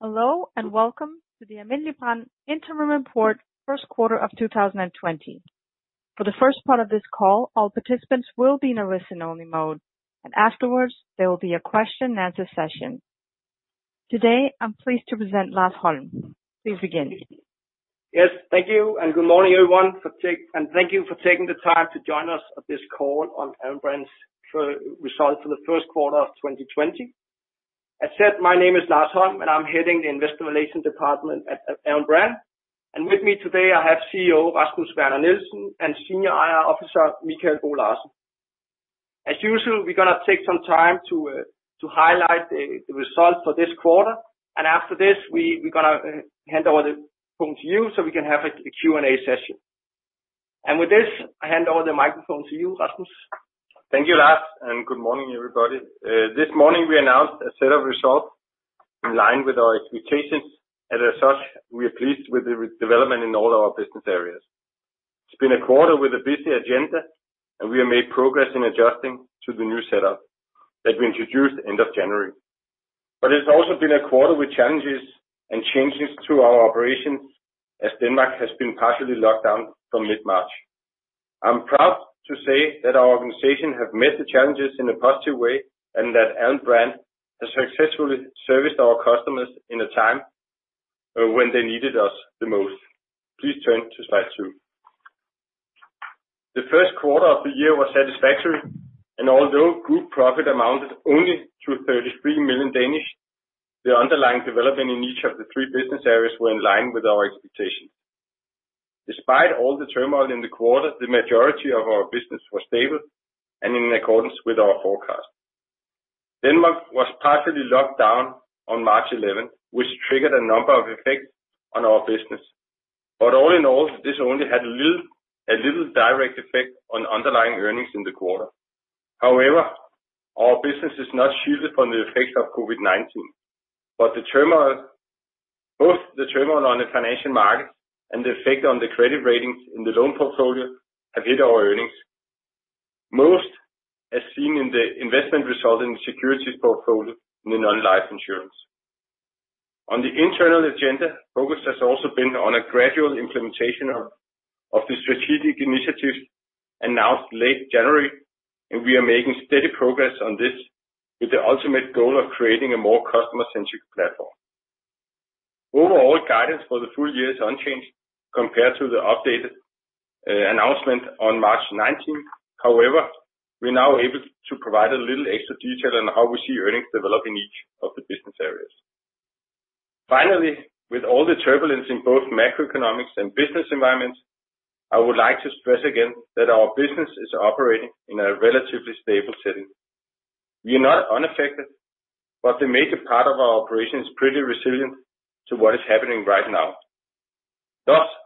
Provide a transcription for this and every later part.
Hello, and welcome to the Alm. Brand Interim Report first quarter of 2020. For the first part of this call, all participants will be in a listen only mode, and afterwards there will be a question and answer session. Today, I'm pleased to present Lars Holm. Please begin. Yes. Thank you, good morning, everyone. Thank you for taking the time to join us at this call on Alm. Brand's results for the first quarter of 2020. As said, my name is Lars Holm, and I'm heading the Investor Relations department at Alm. Brand. With me today I have CEO Rasmus Werner Nielsen and Senior IR Officer Mikael Bo Larsen. As usual, we're going to take some time to highlight the results for this quarter. After this, we're going to hand over the phone to you so we can have a Q&A session. With this, I hand over the microphone to you, Rasmus. Thank you, Lars, and good morning, everybody. This morning we announced a set of results in line with our expectations. As such, we are pleased with the development in all our business areas. It's been a quarter with a busy agenda, and we have made progress in adjusting to the new setup that we introduced end of January. It's also been a quarter with challenges and changes to our operations as Denmark has been partially locked down from mid-March. I'm proud to say that our organization have met the challenges in a positive way, and that Alm. Brand has successfully serviced our customers in a time when they needed us the most. Please turn to slide two. The first quarter of the year was satisfactory, and although group profit amounted only to 33 million, the underlying development in each of the three business areas were in line with our expectations. Despite all the turmoil in the quarter, the majority of our business was stable and in accordance with our forecast. Denmark was partially locked down on March 11th, which triggered a number of effects on our business. All in all, this only had a little direct effect on underlying earnings in the quarter. However, our business is not shielded from the effects of COVID-19. Both the turmoil on the financial markets and the effect on the credit ratings in the loan portfolio have hit our earnings, most as seen in the investment result in the securities portfolio in the non-life insurance. On the internal agenda, focus has also been on a gradual implementation of the strategic initiatives announced late January, and we are making steady progress on this with the ultimate goal of creating a more customer-centric platform. Overall guidance for the full year is unchanged compared to the updated announcement on March 19th. We are now able to provide a little extra detail on how we see earnings develop in each of the business areas. With all the turbulence in both macroeconomics and business environments, I would like to stress again that our business is operating in a relatively stable setting. We are not unaffected, but the major part of our operation is pretty resilient to what is happening right now.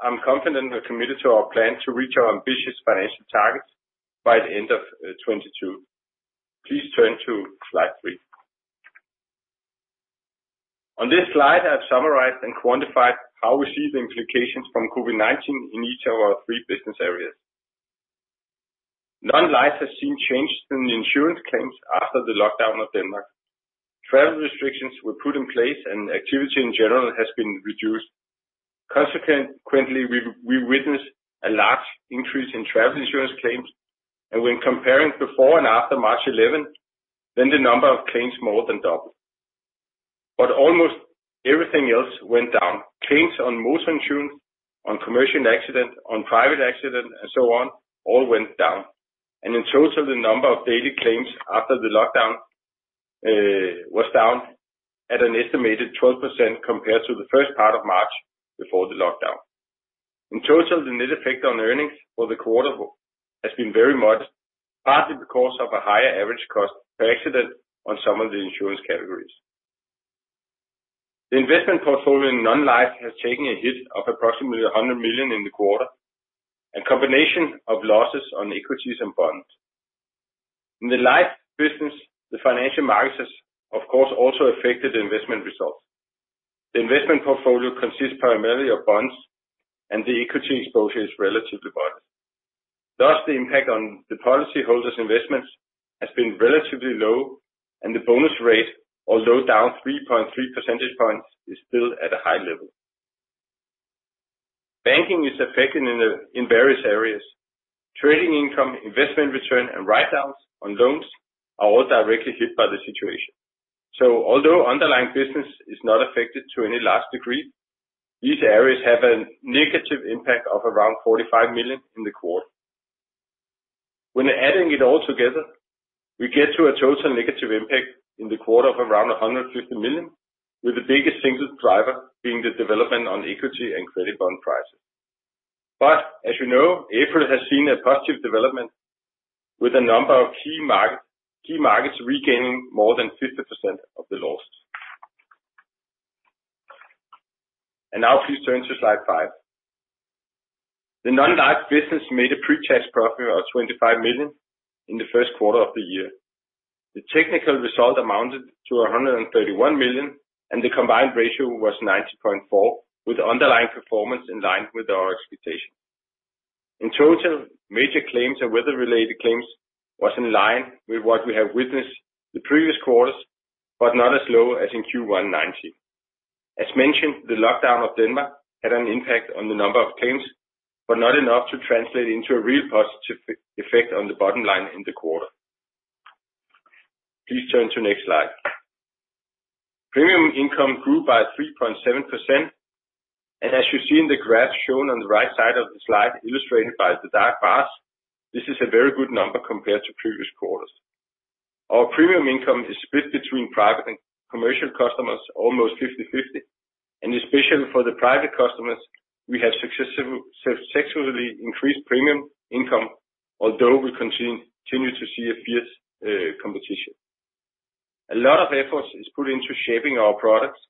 I'm confident we're committed to our plan to reach our ambitious financial targets by the end of 2022. Please turn to slide three. On this slide, I have summarized and quantified how we see the implications from COVID-19 in each of our three business areas. Non-life has seen changes in the insurance claims after the lockdown of Denmark. Travel restrictions were put in place and activity in general has been reduced. Consequently, we witnessed a large increase in travel insurance claims, and when comparing before and after March 11th, then the number of claims more than doubled. Almost everything else went down. Claims on motor insurance, on commercial accident, on private accident and so on, all went down. In total, the number of daily claims after the lockdown was down at an estimated 12% compared to the first part of March before the lockdown. In total, the net effect on earnings for the quarter has been very much partly because of a higher average cost per accident on some of the insurance categories. The investment portfolio in non-life has taken a hit of approximately 100 million in the quarter, a combination of losses on equities and bonds. In the life business, the financial markets, of course, also affected the investment results. The investment portfolio consists primarily of bonds, and the equity exposure is relatively [far]. Thus, the impact on the policyholders' investments has been relatively low, and the bonus rate, although down 3.3 percentage points, is still at a high level. Banking is affected in various areas. Trading income, investment return, and write-downs on loans are all directly hit by the situation. Although underlying business is not affected to any large degree, these areas have a negative impact of around 45 million in the quarter. When adding it all together, we get to a total negative impact in the quarter of around 150 million, with the biggest single driver being the development on equity and credit bond prices. As you know, April has seen a positive development with a number of key markets regaining more than 50% of the loss. Now please turn to slide five. The non-life business made a pre-tax profit of 25 million in the first quarter of the year. The technical result amounted to 131 million, and the combined ratio was 90.4%, with underlying performance in line with our expectations. In total, major claims and weather-related claims was in line with what we have witnessed the previous quarters, but not as low as in Q1 2019. As mentioned, the lockdown of Denmark had an impact on the number of claims, but not enough to translate into a real positive effect on the bottom line in the quarter. Please turn to next slide. Premium income grew by 3.7%, and as you see in the graph shown on the right side of the slide illustrated by the dark bars, this is a very good number compared to previous quarters. Our premium income is split between private and commercial customers almost 50/50. Especially for the private customers, we have successfully increased premium income, although we continue to see a fierce competition. A lot of efforts is put into shaping our products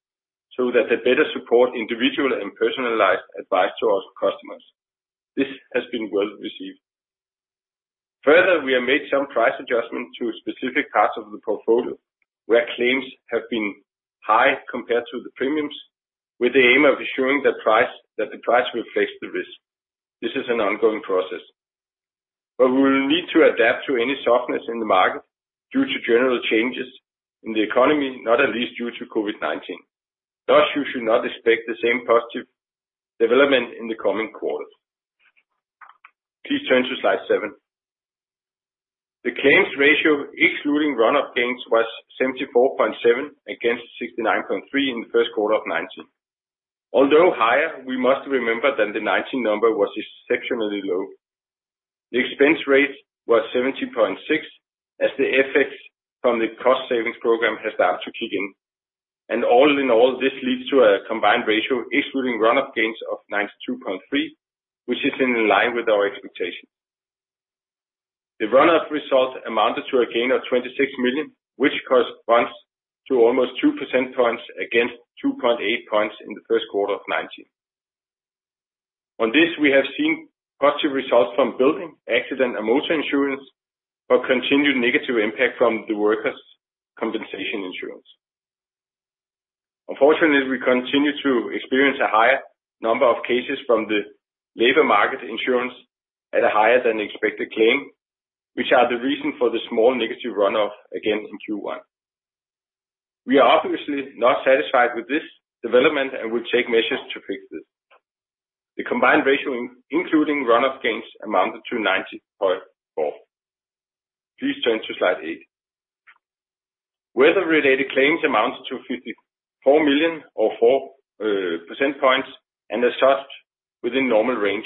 so that they better support individual and personalized advice to our customers. This has been well received. Further, we have made some price adjustment to specific parts of the portfolio where claims have been high compared to the premiums, with the aim of ensuring that the price reflects the risk. This is an ongoing process. We will need to adapt to any softness in the market due to general changes in the economy, not at least due to COVID-19. Thus, you should not expect the same positive development in the coming quarters. Please turn to slide seven. The claims ratio, excluding runoff gains, was 74.7% against 69.3% in Q1 2019. Although higher, we must remember that the 2019 number was exceptionally low. The expense rate was 70.6%, as the effects from the cost savings program has started to kick in. All in all, this leads to a combined ratio excluding runoff gains of 92.3%, which is in line with our expectations. The runoff results amounted to a gain of 26 million, which corresponds to almost 2 percentage points against 2.8 percentage points in the first quarter of 2019. On this, we have seen positive results from building, accident, and motor insurance, but continued negative impact from the workers' compensation insurance. Unfortunately, we continue to experience a higher number of cases from the workers' compensation insurance at a higher than expected claim, which are the reason for the small negative runoff again in Q1. We are obviously not satisfied with this development and will take measures to fix this. The combined ratio, including runoff gains, amounted to 90.4. Please turn to slide eight. Weather-related claims amounted to 54 million or 4 percentage points and assessed within normal range.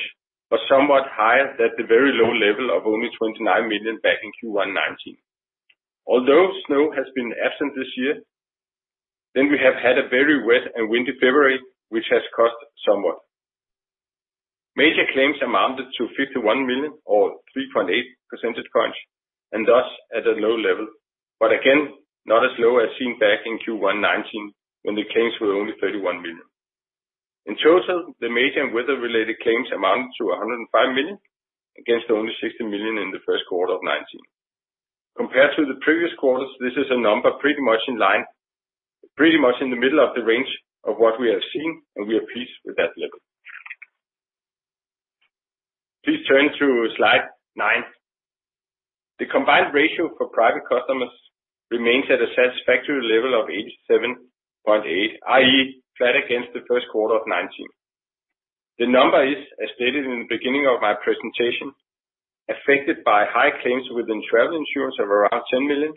Somewhat higher at the very low level of only 29 million back in Q1 2019. Although snow has been absent this year, then we have had a very wet and windy February which has cost somewhat. Major claims amounted to 51 million or 3.8 percentage points, and thus at a low level. Again, not as low as seen back in Q1 2019, when the claims were only 31 million. In total, the major weather-related claims amounted to 105 million, against only 16 million in the first quarter of 2019. Compared to the previous quarters, this is a number pretty much in the middle of the range of what we have seen. We are pleased with that level. Please turn to slide nine. The combined ratio for private customers remains at a satisfactory level of 87.8, i.e., flat against the first quarter of 2019. The number is, as stated in the beginning of my presentation, affected by high claims within travel insurance of around 10 million,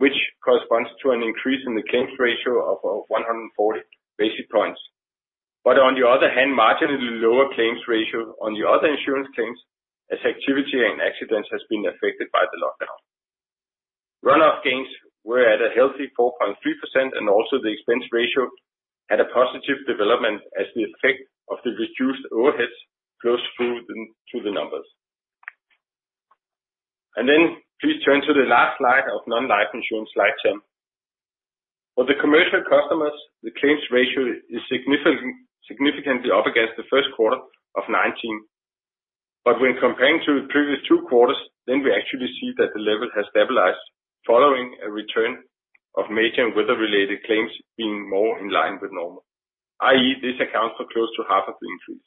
which corresponds to an increase in the claims ratio of 140 basis points. On the other hand, marginally lower claims ratio on the other insurance claims as activity and accidents has been affected by the lockdown. Runoff gains were at a healthy 4.3%. Also, the expense ratio had a positive development as the effect of the reduced overheads flows through to the numbers. Please turn to the last slide of non-life insurance, slide 10. For the commercial customers, the claims ratio is significantly up against the first quarter of 2019. When comparing to the previous two quarters, then we actually see that the level has stabilized following a return of major weather related claims being more in line with normal, i.e., this accounts for close to half of the increase.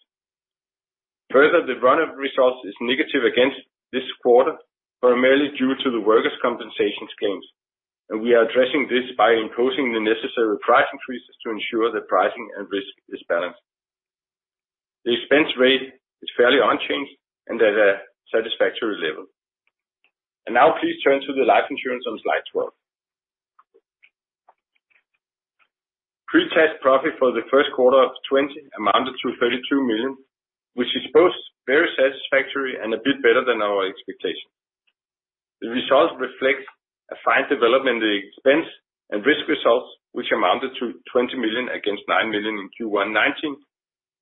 Further, the runoff results is negative against this quarter, primarily due to the workers' compensation claims. We are addressing this by imposing the necessary price increases to ensure that pricing and risk is balanced. The expense rate is fairly unchanged and at a satisfactory level. Now please turn to the life insurance on slide 12. Pre-tax profit for the first quarter of 2020 amounted to 32 million, which is both very satisfactory and a bit better than our expectation. The result reflects a fine development in the expense and risk results, which amounted to 20 million against 9 million in Q1 2019,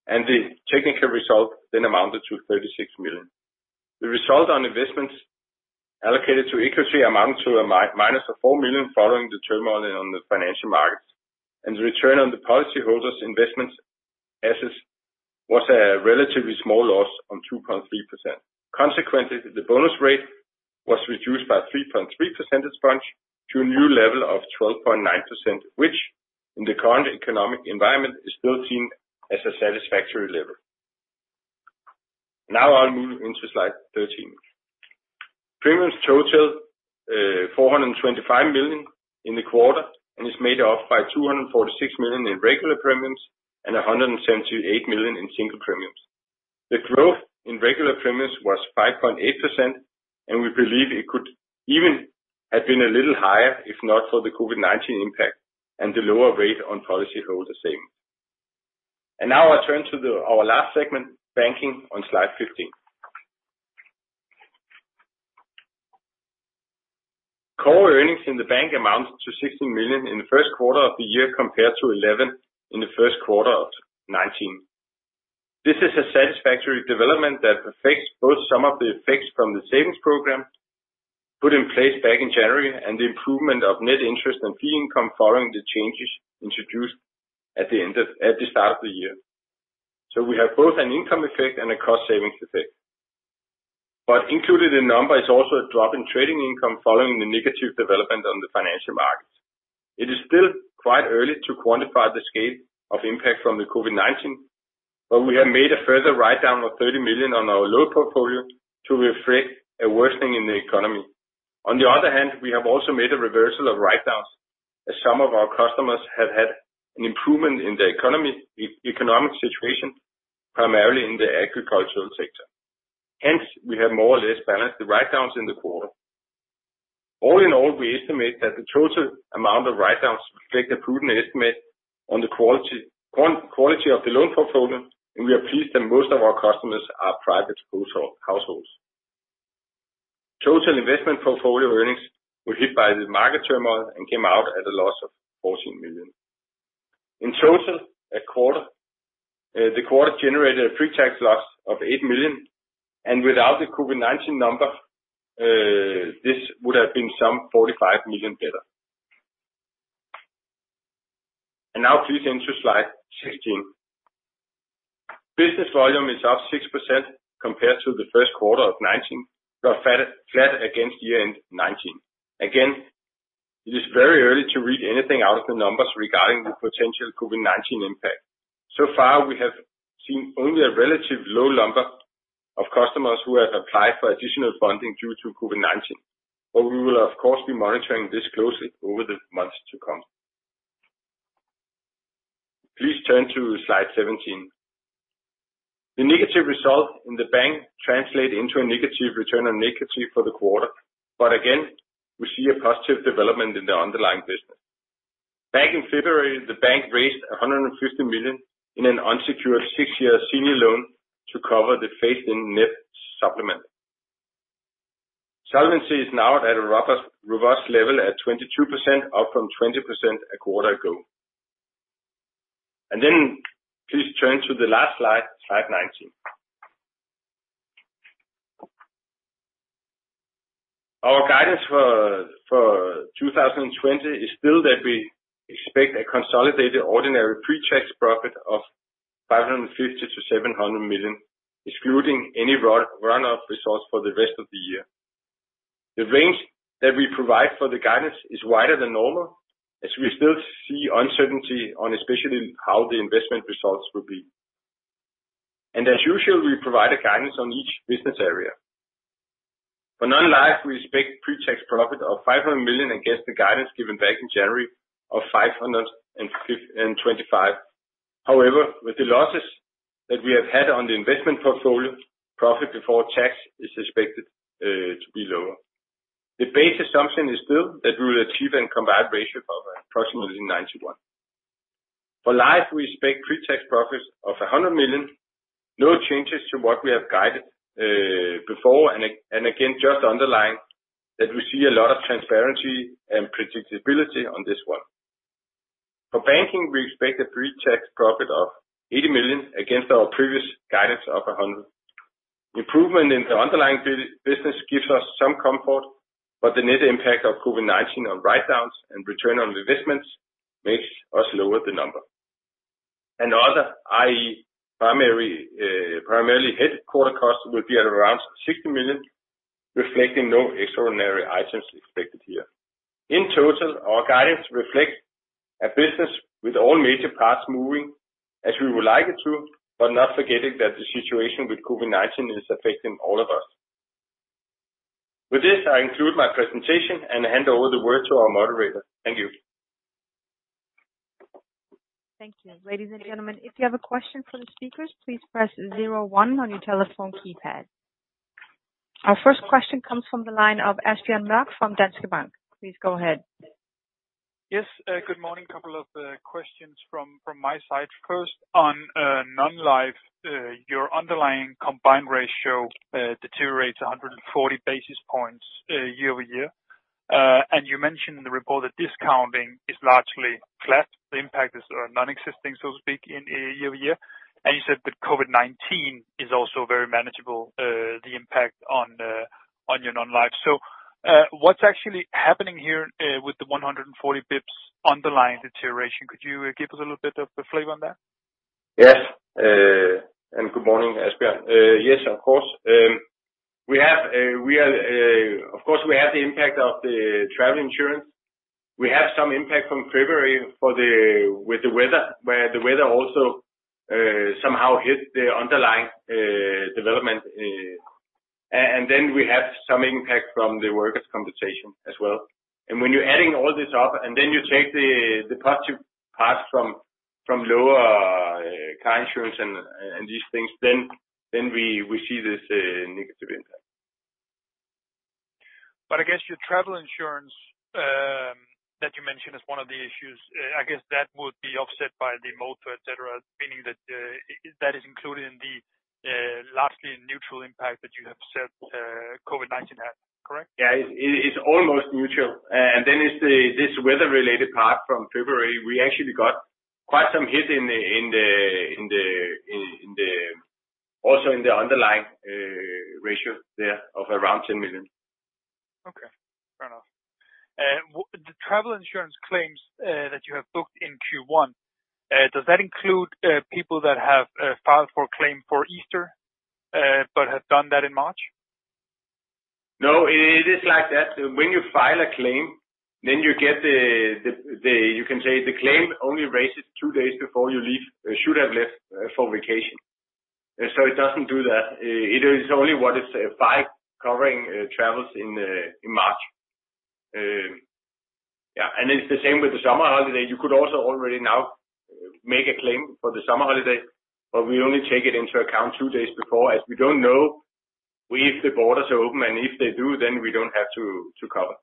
and the technical result then amounted to 36 million. The result on investments allocated to equity amounted to a minus of 4 million following the turmoil on the financial markets, and the return on the policyholders' investment assets was a relatively small loss on 2.3%. Consequently, the bonus rate was reduced by 3.3 percentage points to a new level of 12.9%, which in the current economic environment is still seen as a satisfactory level. Now I'll move into slide 13. Premiums totaled 425 million in the quarter, and is made up by 246 million in regular premiums and 178 million in single premiums. The growth in regular premiums was 5.8%, and we believe it could even have been a little higher if not for the COVID-19 impact and the lower rate on policyholder savings. Now I turn to our last segment, banking, on slide 15. Core earnings in the bank amounts to 16 million in the first quarter of the year, compared to 11 in the first quarter of 2019. This is a satisfactory development that affects both some of the effects from the savings program put in place back in January, and the improvement of net interest and fee income following the changes introduced at the start of the year. We have both an income effect and a cost savings effect. Included in the number is also a drop in trading income following the negative development on the financial markets. It is still quite early to quantify the scale of impact from the COVID-19, but we have made a further write-down of 30 million on our loan portfolio to reflect a worsening in the economy. On the other hand, we have also made a reversal of write-downs as some of our customers have had an improvement in their economic situation, primarily in the agricultural sector. Hence, we have more or less balanced the write-downs in the quarter. All in all, we estimate that the total amount of write-downs reflect a prudent estimate on the quality of the loan portfolio, and we are pleased that most of our customers are private household. Total investment portfolio earnings were hit by the market turmoil and came out at a loss of 14 million. In total, the quarter generated a pre-tax loss of 8 million. Without the COVID-19 number, this would have been some 45 million better. Now please turn to slide 16. Business volume is up 6% compared to the first quarter of 2019, flat against year-end 2019. Again, it is very early to read anything out of the numbers regarding the potential COVID-19 impact. Far, we have seen only a relatively low number of customers who have applied for additional funding due to COVID-19. We will of course be monitoring this closely over the months to come. Please turn to slide 17. The negative result in the bank translate into a negative return on equity for the quarter. Again, we see a positive development in the underlying business. Back in February, the bank raised 150 million in an unsecured six-year senior loan to cover the phase in MREL supplement. Solvency is now at a robust level at 22%, up from 20% a quarter ago. Please turn to the last slide 19. Our guidance for 2020 is still that we expect a consolidated ordinary pre-tax profit of 550 million-700 million, excluding any runoff result for the rest of the year. The range that we provide for the guidance is wider than normal, as we still see uncertainty on especially how the investment results will be. As usual, we provide a guidance on each business area. For non-life, we expect pre-tax profit of 500 million against the guidance given back in January of 525 million. However, with the losses that we have had on the investment portfolio, profit before tax is expected to be lower. The base assumption is still that we will achieve a combined ratio of approximately 91. For life, we expect pre-tax profits of 100 million. No changes to what we have guided before. Again, just underlying that we see a lot of transparency and predictability on this one. For banking, we expect a pre-tax profit of 80 million against our previous guidance of 100 million. Improvement in the underlying business gives us some comfort. The net impact of COVID-19 on write-downs and return on investments makes us lower the number. Other, i.e., primarily headquarter costs will be at around 60 million, reflecting no extraordinary items expected here. In total, our guidance reflects a business with all major parts moving as we would like it to, but not forgetting that the situation with COVID-19 is affecting all of us. With this, I conclude my presentation and hand over the word to our moderator. Thank you. Thank you. Ladies and gentlemen, if you have a question for the speakers, please press zero one on your telephone keypad. Our first question comes from the line of Esbjørn Mark from Danske Bank. Please go ahead. Yes, good morning. Couple of questions from my side. First, on non-life, your underlying combined ratio deteriorates 140 basis points year-over-year. You mentioned in the report that discounting is largely flat. The impact is non-existing, so to speak, year-over-year. You said that COVID-19 is also very manageable, the impact on your non-life. What's actually happening here with the 140 basis points underlying deterioration? Could you give us a little bit of the flavor on that? Yes. Good morning, Esbjørn. Yes, of course. Of course, we have the impact of the travel insurance. We have some impact from February with the weather, where the weather also somehow hit the underlying development. We have some impact from the workers' compensation as well. When you're adding all this up, and then you take the positive parts from lower car insurance and these things, then we see this negative impact. I guess your travel insurance that you mentioned is one of the issues. I guess that would be offset by the motor, et cetera, meaning that is included in the largely neutral impact that you have said COVID-19 had, correct? Yeah. It's almost neutral. It's this weather-related part from February, we actually got quite some hit also in the underlying ratio there of around 10 million. Okay. Fair enough. The travel insurance claims that you have booked in Q1, does that include people that have filed for claim for Easter but have done that in March? No, it is like that. When you file a claim, you can say the claim only raises two days before you should have left for vacation. It doesn't do that. It is only what is filed covering travels in March. Yeah. It's the same with the summer holiday. You could also already now make a claim for the summer holiday, but we only take it into account two days before, as we don't know if the borders are open, and if they do, then we don't have to cover.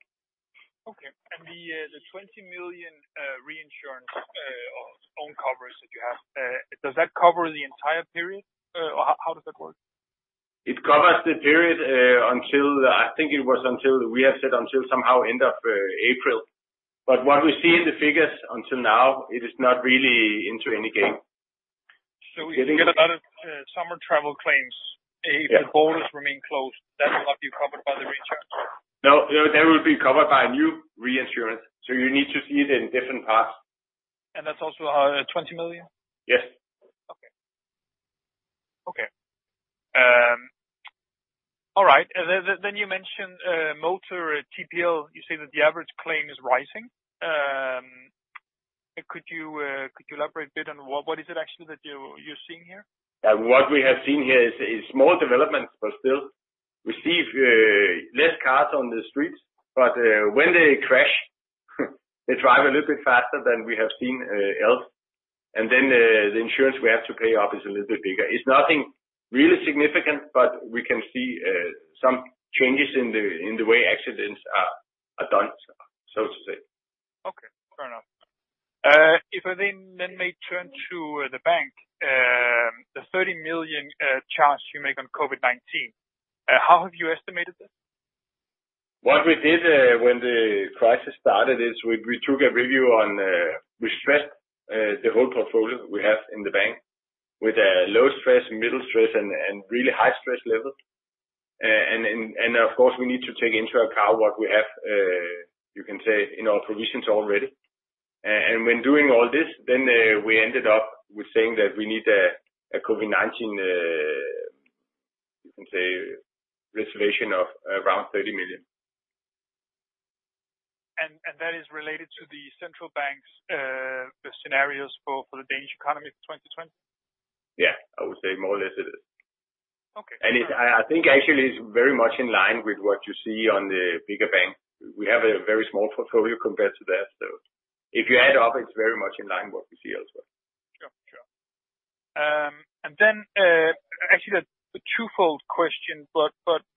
Okay. The 20 million reinsurance own coverage that you have, does that cover the entire period? How does that work? It covers the period until, I think it was until we have said until somehow end of April. What we see in the figures until now, it is not really into any gain. If you get a lot of summer travel claims, if the borders remain closed, that will not be covered by the reinsurance? No, they will be covered by a new reinsurance, so you need to see it in different parts. That's also 20 million? Yes. Okay. All right. You mentioned motor TPL, you say that the average claim is rising. Could you elaborate a bit on what is it actually that you're seeing here? What we have seen here is small developments, but still we see less cars on the streets. When they crash, they drive a little bit faster than we have seen else, the insurance we have to pay off is a little bit bigger. It's nothing really significant, but we can see some changes in the way accidents are done, so to say. Okay. Fair enough. If I then may turn to the bank, the 30 million charge you make on COVID-19, how have you estimated this? What we did when the crisis started, we stressed the whole portfolio we have in the bank with a low stress, middle stress, and really high stress level. Of course, we need to take into account what we have, you can say, in our provisions already. When doing all this, we ended up with saying that we need a COVID-19, you can say, reservation of around 30 million. That is related to the central bank's scenarios for the Danish economy for 2020? Yeah, I would say more or less it is. Okay. I think actually it's very much in line with what you see on the bigger bank. We have a very small portfolio compared to theirs, if you add it up, it's very much in line with what we see elsewhere. Sure. Actually a twofold question, but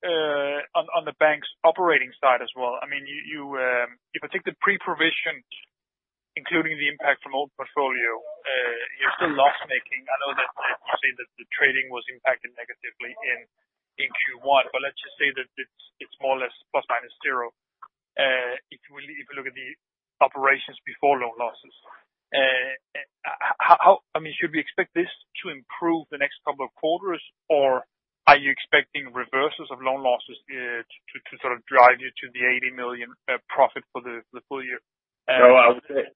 on the bank's operating side as well. If I take the pre-provision, including the impact from old portfolio, you're still loss-making. I know that you say that the trading was impacted negatively in Q1, let's just say that it's more or less plus or minus zero. If you look at the operations before loan losses, should we expect this to improve the next couple of quarters, or are you expecting reversals of loan losses to sort of drive you to the 80 million profit for the full year? No, I would say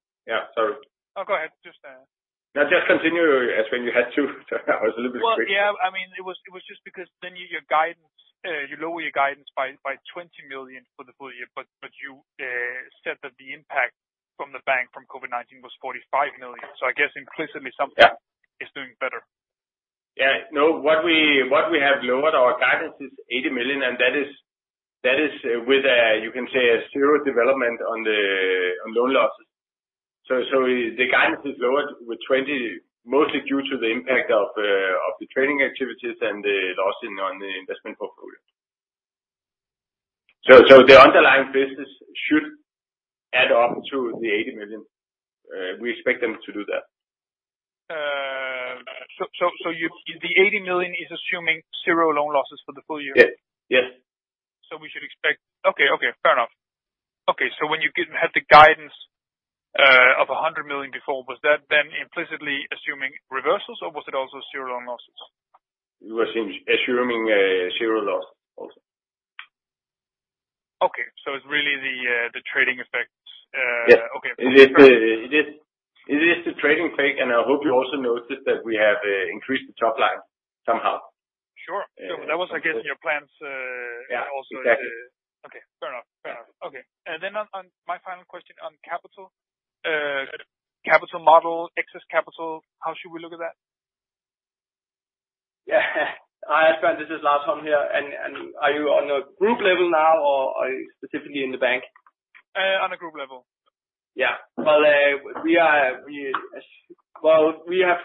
Yeah, sorry. No, go ahead. No, just continue, Espen. You had two. I was a little bit quick. Well, yeah. It was just because your guidance, you lower your guidance by 20 million for the full year. You said that the impact from the bank from COVID-19 was 45 million. I guess implicitly something. Yeah is doing better. Yeah. No, what we have lowered our guidance is 80 million, and that is with a, you can say, a zero development on loan losses. The guidance is lowered with 20, mostly due to the impact of the trading activities and the loss on the investment portfolio. The underlying business should add up to the 80 million. We expect them to do that. The 80 million is assuming zero loan losses for the full year? Yes. Okay, fair enough. When you had the guidance of 100 million before, was that then implicitly assuming reversals or was it also zero loan losses? It was assuming zero loss. Really the trading effect. Yes. Okay. It is the trading effect. I hope you also noticed that we have increased the top line somehow. Sure. That was, I guess, in your plans. Yeah, exactly. Okay, fair enough. Then on my final question on capital. Capital model, excess capital, how should we look at that? Hi, Esbjørn. This is Lars Holm here. Are you on a group level now, or are you specifically in the bank? On a group level. Yeah. Well, we have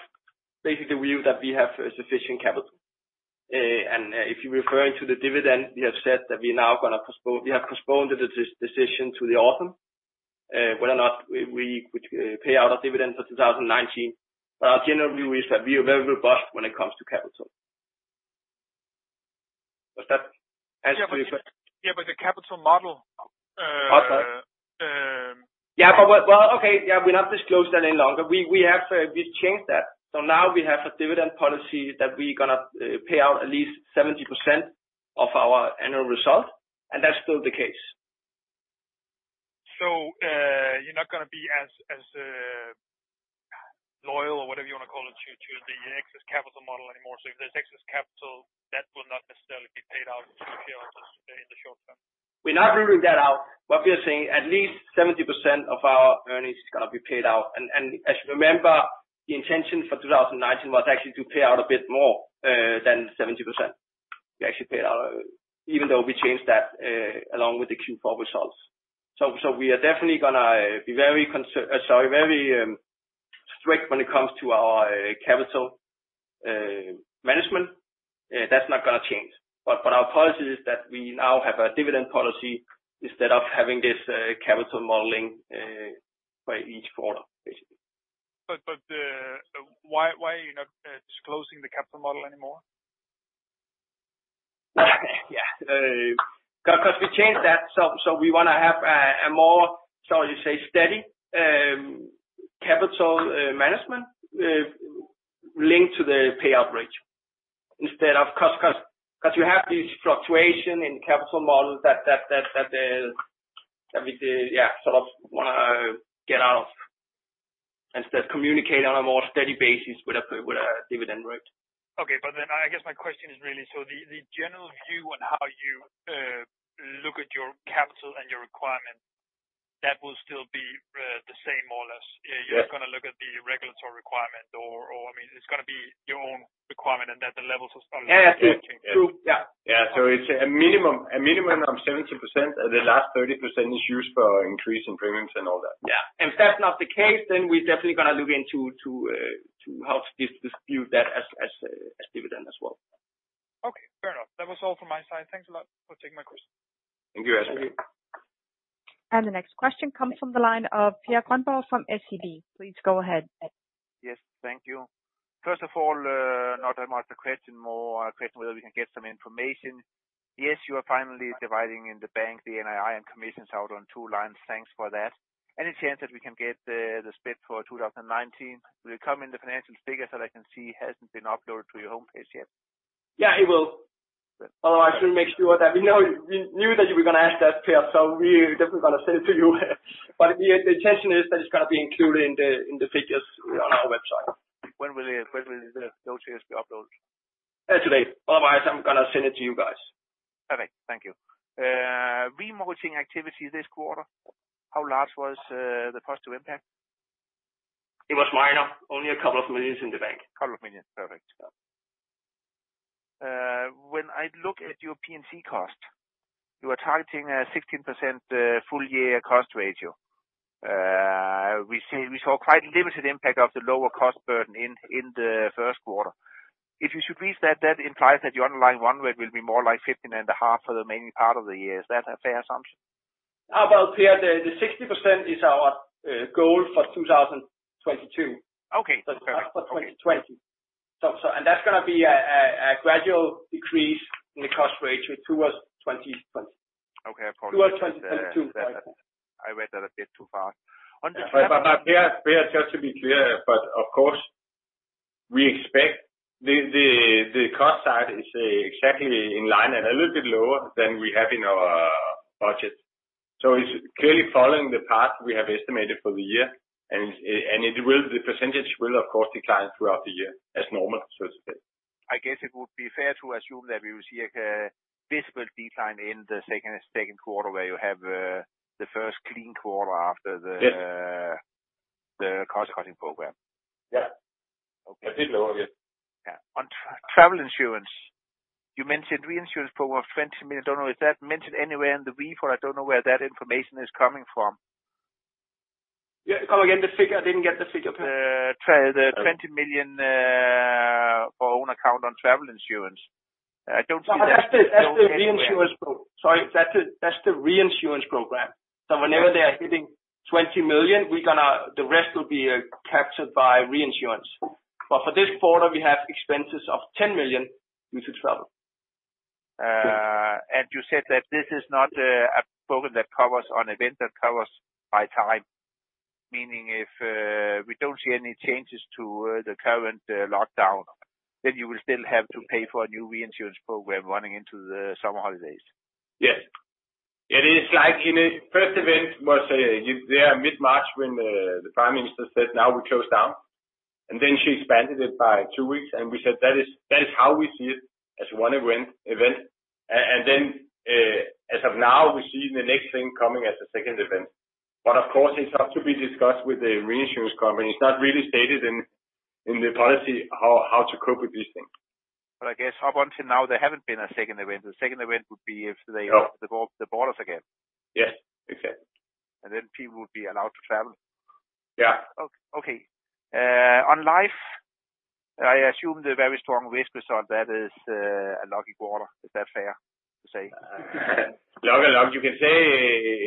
basically viewed that we have sufficient capital. If you're referring to the dividend, we have said that we have postponed the decision to the autumn, whether or not we could pay out a dividend for 2019. Generally, we are very robust when it comes to capital. Does that answer your question? Yeah, the capital model. Okay. Yeah, but well, okay. Yeah, we don't disclose that any longer. We've changed that. Now we have a dividend policy that we're going to pay out at least 70% of our annual result, and that's still the case. You're not going to be as loyal or whatever you want to call it to the excess capital model anymore. If there's excess capital, that will not necessarily be paid out to shareholders in the short term. We're not ruling that out. What we are saying, at least 70% of our earnings is going to be paid out. As you remember, the intention for 2019 was actually to pay out a bit more than 70%. We actually paid out, even though we changed that along with the Q4 results. We are definitely going to be very strict when it comes to our capital management. That's not going to change. Our policy is that we now have a dividend policy instead of having this capital modeling by each quarter, basically. Why are you not disclosing the capital model anymore? Yeah. We changed that, so we want to have a more, shall you say, steady capital management linked to the payout ratio. You have this fluctuation in capital models that we sort of want to get out of, instead communicate on a more steady basis with a dividend route. Okay. I guess my question is really, the general view on how you look at your capital and your requirement, that will still be the same, more or less? Yes. You're not going to look at the regulatory requirement or, I mean, it's going to be your own requirement. Yeah. True. Yeah. It's a minimum of 70%, and the last 30% is used for increase in premiums and all that. Yeah. If that's not the case, then we're definitely going to look into how to distribute that as dividend as well. Fair enough. That was all from my side. Thanks a lot for taking my question. Thank you, Esbjørn. The next question comes from the line of Per Grønborg from SEB. Please go ahead. Yes. Thank you. First of all, not that much a question, more a question whether we can get some information. Yes, you are finally dividing in the bank, the NII and commissions out on two lines. Thanks for that. Any chance that we can get the split for 2019? Will it come in the financial figures that I can see hasn't been uploaded to your homepage yet? Yeah, it will. Otherwise, we'll make sure. We knew that you were going to ask that, Per, so we're definitely going to send it to you. The intention is that it's going to be included in the figures on our website. When will those figures be uploaded? Today. Otherwise, I'm going to send it to you guys. Perfect. Thank you. Remortgaging activity this quarter, how large was the positive impact? It was minor. Only a couple of millions in the bank. couple of million. Perfect. Yeah. When I look at your P&C cost, you are targeting a 16% full year cost ratio. We saw quite limited impact of the lower cost burden in the first quarter. If you should reach that implies that your underlying run rate will be more like 15.5% for the remaining part of the year. Is that a fair assumption? Well, Per, the 60% is our goal for 2022. Okay. Fair enough. Not for 2020. That's going to be a gradual decrease in the cost ratio towards 2020. Okay. Towards 2022. I read that a bit too fast. Per, just to be clear, of course, we expect the cost side is exactly in line and a little bit lower than we have in our budget. It's clearly following the path we have estimated for the year. The percentage will, of course, decline throughout the year as normal, so to say. I guess it would be fair to assume that we will see a visible decline in the second quarter, where you have the first clean quarter after the-. Yes the cost-cutting program. Yeah. Okay. A bit lower, yes. Yeah. On travel insurance, you mentioned reinsurance program of DKK 20 million. Is that mentioned anywhere in the report? I don't know where that information is coming from. Yeah. Come again, the figure. I didn't get the figure, Per. The 20 million for own account on travel insurance. I don't see that. That's the reinsurance program. Sorry. That's the reinsurance program. Whenever they are hitting 20 million, the rest will be captured by reinsurance. For this quarter, we have expenses of 10 million due to travel. You said that this is not a program that covers on event, that covers by time? Meaning, if we don't see any changes to the current lockdown, you will still have to pay for a new reinsurance program running into the summer holidays. Yes. It is like in a first event was there mid-March when the prime minister said, "Now we close down." She expanded it by two weeks, and we said, "That is how we see it as one event." As of now, we see the next thing coming as a second event. Of course, it's up to be discussed with the reinsurance company. It's not really stated in the policy how to cope with these things. I guess up until now, there haven't been a second event. No open the borders again. Yes. Exactly. Then people would be allowed to travel. Yeah. Okay. On life, I assume the very strong risk result, that is a lucky quarter. Is that fair to say? Lucky luck. You can say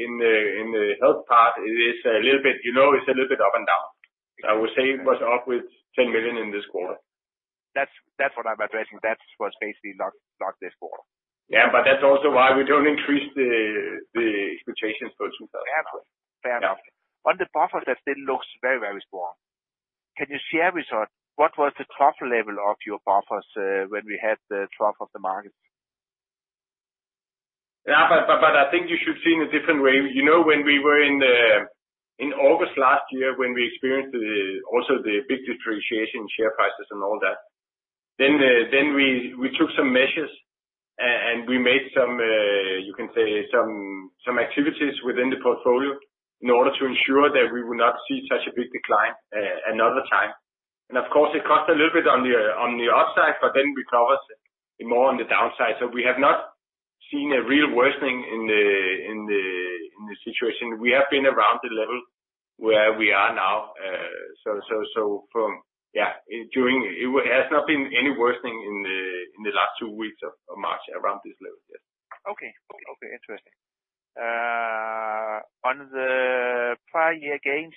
in the health part, it's a little bit up and down. I would say it was up with 10 million in this quarter. That's what I'm addressing. That was basically luck this quarter. Yeah, that's also why we don't increase the expectations for 200. Fair enough. Yeah. The buffer, that still looks very strong. Can you share with us what was the trough level of your buffers when we had the trough of the market? I think you should see in a different way. When we were in August last year when we experienced also the big depreciation share prices and all that, we took some measures, we made some, you can say, some activities within the portfolio in order to ensure that we would not see such a big decline another time. Of course, it cost a little bit on the upside, we covered more on the downside. We have not seen a real worsening in the situation. We have been around the level where we are now. From, yeah, during it has not been any worsening in the last two weeks of March around this level yet. Okay. Interesting. On the prior year gains,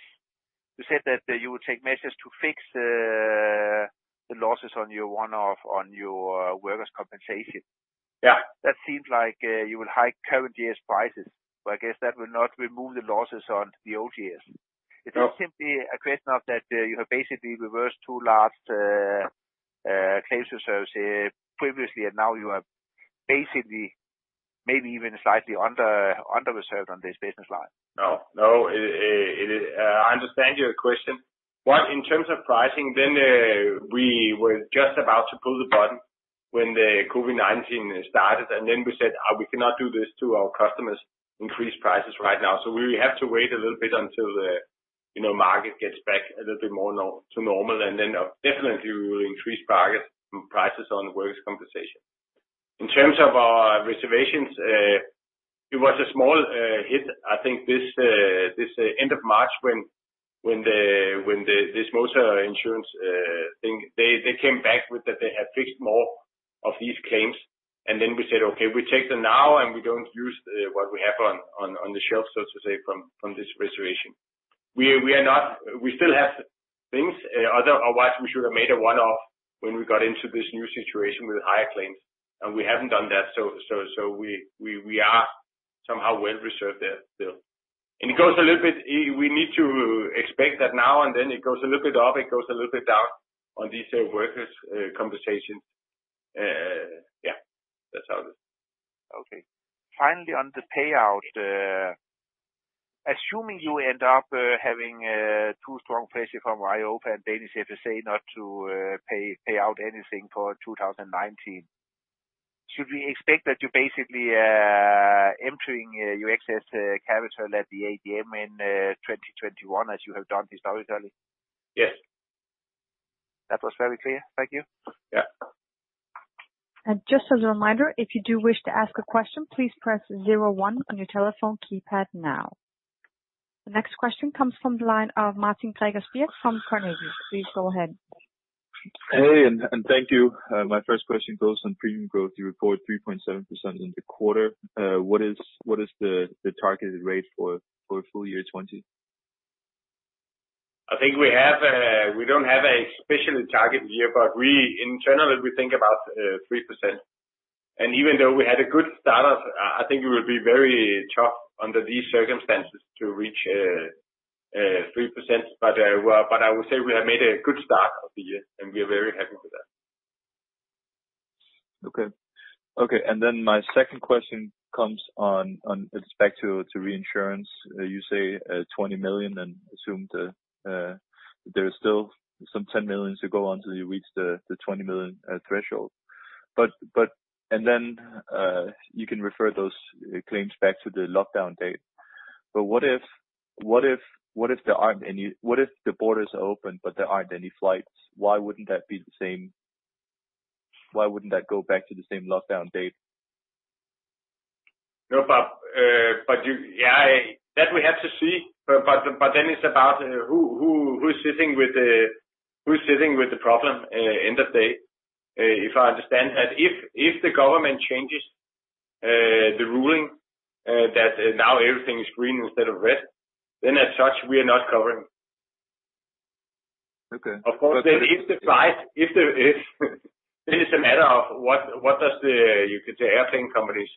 you said that you will take measures to fix the losses on your one-off on your workers' compensation. Yeah. That seems like you will hike current year's prices, but I guess that will not remove the losses on the old years. No. It is simply a question of that you have basically reversed two large claims reserves previously, and now you are basically maybe even slightly under-reserved on this business line. No. I understand your question. One, in terms of pricing, then we were just about to pull the trigger when the COVID-19 started, and then we said, "We cannot do this to our customers, increase prices right now." We have to wait a little bit until the market gets back a little bit more to normal, and then definitely we will increase prices on workers' compensation. In terms of our reservations, it was a small hit. I think this end of March when this motor insurance thing, they came back with that they had fixed more of these claims. We said, "Okay, we take them now, and we don't use what we have on the shelf," so to say, from this reservation. We still have things, otherwise we should have made a one-off when we got into this new situation with higher claims, and we haven't done that. We are somehow well reserved there still. It goes a little bit, we need to expect that now and then it goes a little bit up, it goes a little bit down on these workers' compensations. Yeah, that's how it is. Okay. Finally, on the payout, assuming you end up having two strong pressure from EIOPA and Danish FSA not to pay out anything for 2019, should we expect that you're basically emptying your excess capital at the AGM in 2021 as you have done historically? Yes. That was very clear. Thank you. Yeah. Just as a reminder, if you do wish to ask a question, please press zero one on your telephone keypad now. The next question comes from the line of Martin Tegelsvik from Carnegie. Please go ahead. Thank you. My first question goes on premium growth. You report 3.7% in the quarter. What is the targeted rate for full year 2020? I think we don't have a special target year, internally we think about 3%. Even though we had a good start, I think it will be very tough under these circumstances to reach 3%. I will say we have made a good start of the year, and we are very happy with that. Okay. My second question comes on with respect to reinsurance. You say 20 million and assume there is still some 10 million to go until you reach the 20 million threshold. You can refer those claims back to the lockdown date. What if the borders are open, but there aren't any flights? Why wouldn't that go back to the same lockdown date? Yeah, that we have to see. It's about who's sitting with the problem end of day. If I understand that if the government changes the ruling that now everything is green instead of red, then as such, we are not covering. Okay. Of course, it is a matter of what does the, you could say, airplane companies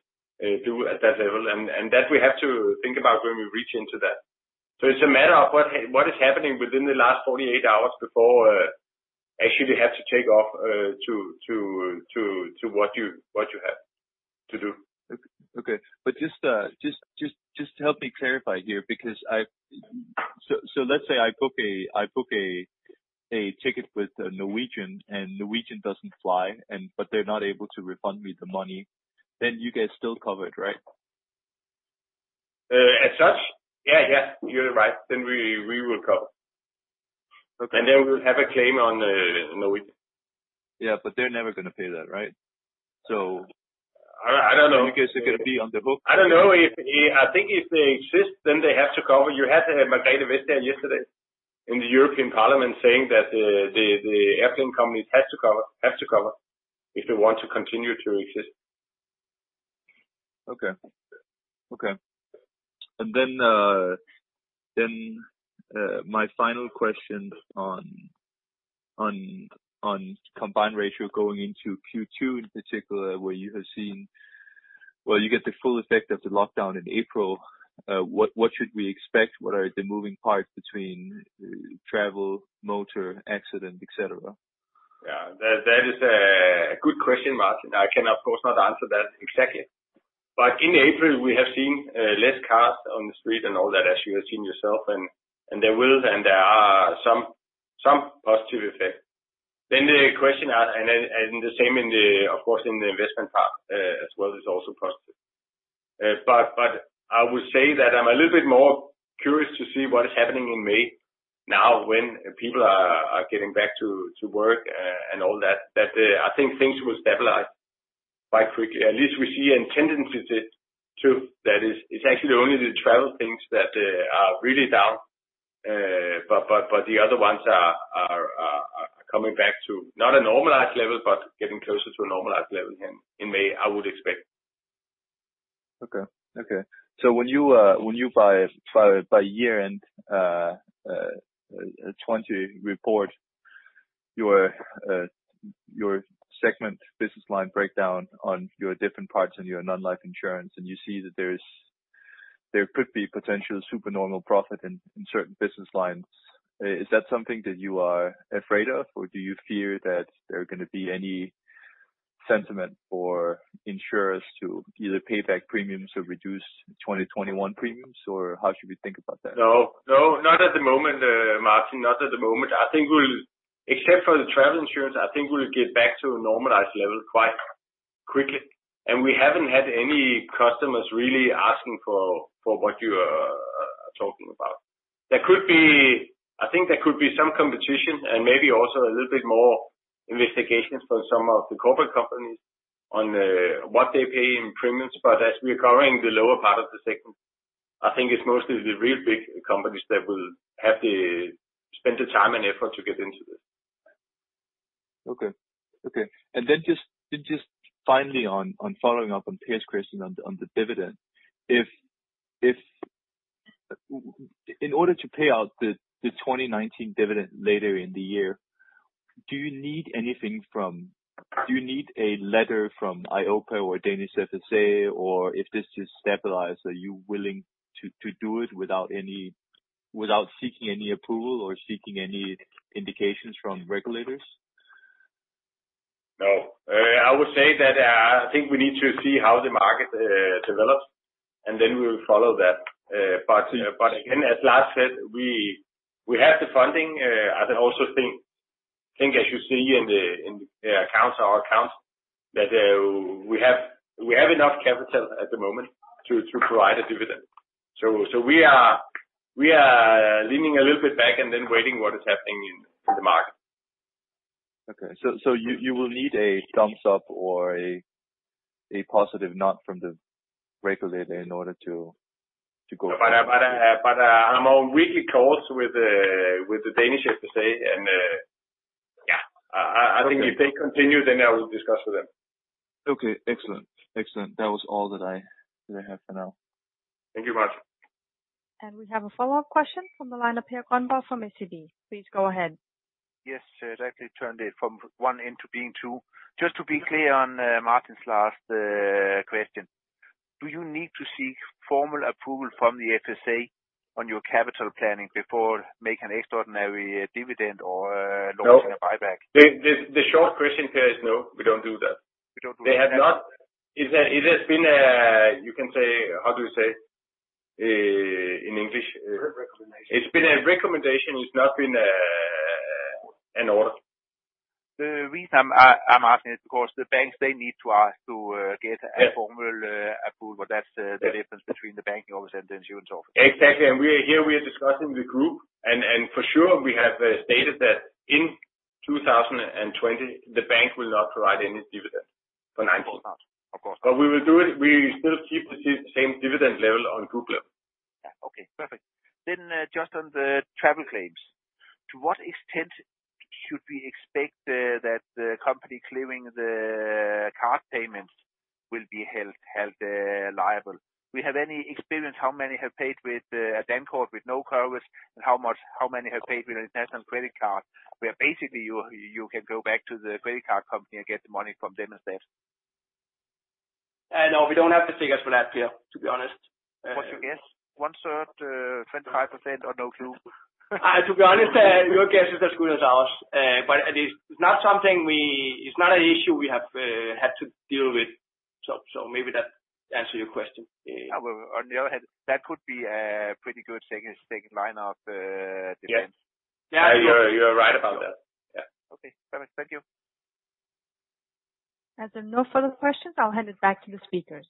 do at that level, and that we have to think about when we reach into that. It's a matter of what is happening within the last 48 hours before actually they have to take off to what you have to do. Okay. Just to help me clarify here, because so let's say I book a ticket with Norwegian and Norwegian doesn't fly, but they're not able to refund me the money, then you get still covered, right? As such? Yeah, you're right. We will cover. Okay. We'll have a claim on Norwegian. Yeah. They're never going to pay that, right? I don't know. in any case, it could be on the book. I don't know. I think if they exist, they have to cover. You had to have material yesterday in the European Parliament saying that the airplane companies have to cover if they want to continue to exist. Okay. My final question on combined ratio going into Q2 in particular, where you get the full effect of the lockdown in April. What should we expect? What are the moving parts between travel, motor, accident, et cetera? Yeah, that is a good question, Martin. I can, of course, not answer that exactly. In April, we have seen less cars on the street and all that, as you have seen yourself. There are some positive effects. The question, and the same, of course, in the investment part as well, is also positive. I would say that I'm a little bit more curious to see what is happening in May now when people are getting back to work and all that I think things will stabilize quite quickly. At least we see in tendencies it too, that it's actually only the travel things that are really down. The other ones are coming back to not a normalized level, but getting closer to a normalized level in May, I would expect. Okay. When you by year-end 2020 report your segment business line breakdown on your different parts and your non-life insurance, and you see that there could be potential super normal profit in certain business lines, is that something that you are afraid of? Do you fear that there are going to be any sentiment for insurers to either pay back premiums or reduce 2021 premiums? How should we think about that? No, not at the moment, Martin. Not at the moment. I think except for the travel insurance, I think we'll get back to a normalized level quite quickly. We haven't had any customers really asking for what you are talking about. I think there could be some competition and maybe also a little bit more investigations for some of the corporate companies on what they pay in premiums. As we are covering the lower part of the segment, I think it's mostly the real big companies that will have to spend the time and effort to get into this. Okay. Just finally on following up on Per's question on the dividend. If in order to pay out the 2019 dividend later in the year, do you need a letter from EIOPA or Danish FSA? If this is stabilized, are you willing to do it without seeking any approval or seeking any indications from regulators? No. I would say that I think we need to see how the market develops, then we will follow that. Again, as Lars said, we have the funding. I can also think, as you see in our accounts, that we have enough capital at the moment to provide a dividend. We are leaning a little bit back and then waiting what is happening in the market. Okay. You will need a thumbs up or a positive nod from the regulator in order to go. I'm on weekly calls with the Danish FSA, and yeah, I think if they continue, then I will discuss with them. Okay. Excellent. That was all that I have for now. Thank you, Martin. We have a follow-up question from the line of Per Grønborg from SEB. Please go ahead. Yes, directly turned it from one into being two. Just to be clear on Martin's last question, do you need to seek formal approval from the FSA on your capital planning before making an extraordinary dividend or launching a buyback? No. The short question here is no, we don't do that. We don't do that. It has been a, you can say, how do you say in English? Recommendation. It's been a recommendation. It's not been an order. The reason I'm asking is because the banks, they need to ask to get a formal approval. That's the difference between the banking office and the insurance office. Exactly. Here we are discussing the group. For sure, we have stated that in 2020, the bank will not provide any dividend for 2019. Of course not. We will do it. We still keep the same dividend level on group level. Yeah. Okay, perfect. Just on the travel claims, to what extent should we expect that the company clearing the card payments will be held liable? We have any experience how many have paid with a Dankort with no covers and how many have paid with international credit card, where basically you can go back to the credit card company and get the money from them instead? No, we don't have the figures for that, Per, to be honest. What's your guess? One-third, 25% or no clue? To be honest, your guess is as good as ours. It's not an issue we have had to deal with. Maybe that answers your question. On the other hand, that could be a pretty good second line of defense. Yeah. You're right about that. Yeah. Okay. Perfect. Thank you. As there are no further questions, I'll hand it back to the speakers.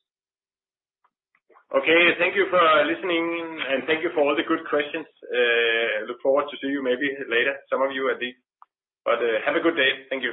Okay. Thank you for listening, and thank you for all the good questions. Look forward to see you maybe later, some of you at least. Have a good day. Thank you.